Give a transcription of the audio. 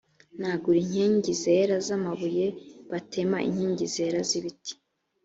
nagura inkingi zera z amabuye batema inkingi zera z ibiti